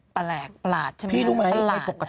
แปลกประหลาดใช่ไหมครับประหลาดแปลก